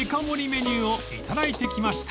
メニューをいただいてきました］